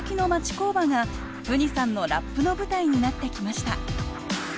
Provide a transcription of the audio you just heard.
工場がＦＵＮＩさんのラップの舞台になってきました